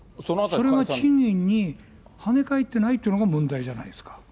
それが賃金に跳ね返ってないっていうのが問題じゃないですか。